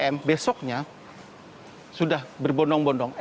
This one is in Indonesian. dan besoknya sudah berbondong bondong